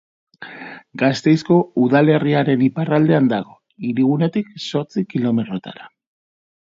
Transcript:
Gasteizko udalerriaren iparraldean dago, hirigunetik zortzi kilometrora.